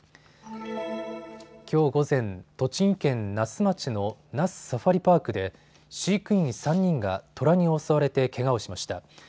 きょう午前、栃木県那須町の那須サファリパークで飼育員３人がトラに襲われてけがをしました。